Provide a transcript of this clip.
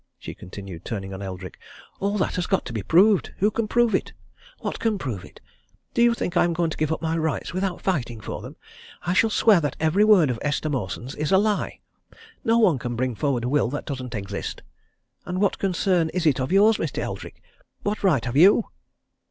she continued, turning on Eldrick. "All that has got to be proved. Who can prove it? What can prove it? Do you think I am going to give up my rights without fighting for them? I shall swear that every word of Esther Mawson's is a lie! No one can bring forward a will that doesn't exist. And what concern is it of yours, Mr. Eldrick? What right have you?"